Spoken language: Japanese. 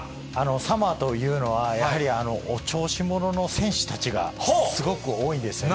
サモアというのは、やはりお調子者の選手たちがすごく多いんですよね。